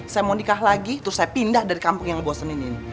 saya mau nikah lagi terus saya pindah dari kampung yang gue bosen ini